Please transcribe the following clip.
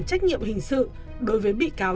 trách nhiệm hình sự đối với bị cáo